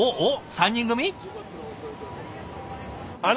３人組？